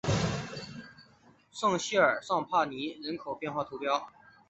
圣谢尔尚帕尼人口变化图示